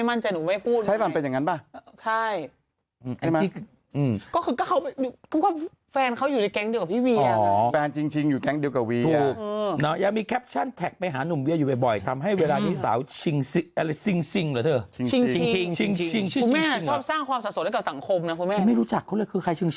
ไม่คิดนุ่มก็ไม่ดู้เรื่อง